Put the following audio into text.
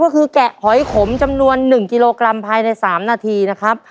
ก็คือแกะหอยขมจำนวน๑กิโลกรัมภายใน๓นาทีนะครับ